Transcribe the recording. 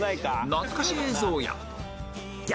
懐かし映像や